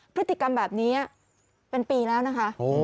พฤติกรรมแบบนี้เป็นปีแล้วนะคะ